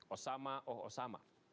osama oh osama